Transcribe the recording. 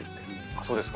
そうですか？